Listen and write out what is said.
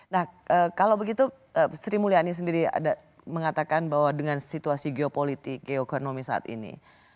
nah kalau begitu sri mulyani sendiri ada mengatakan bahwa dengan situasi geopolitik geokonomi saat ini